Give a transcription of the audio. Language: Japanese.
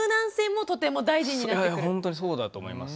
ほんとにそうだと思います。